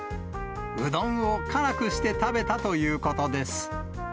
うどんを辛くして食べたということです。